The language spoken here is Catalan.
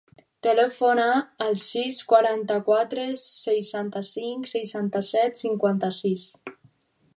Telefona al sis, quaranta-quatre, seixanta-cinc, seixanta-set, cinquanta-sis.